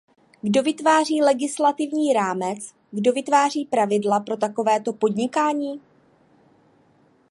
Kdo vytváří legislativní rámec, kdo vytváří pravidla pro takovéto podnikání?